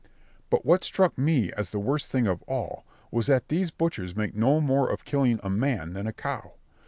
But what struck me as the worst thing of all, was that these butchers make no more of killing a man than a cow.